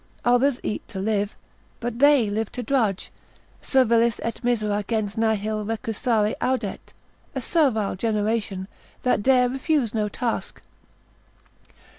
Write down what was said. Others eat to live, but they live to drudge, servilis et misera gens nihil recusare audet, a servile generation, that dare refuse no task.